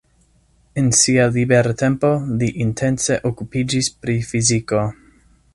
En sia libertempo, li intense okupiĝis pri fiziko.